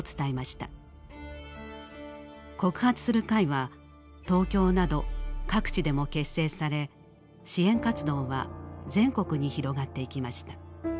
告発する会は東京など各地でも結成され支援活動は全国に広がっていきました。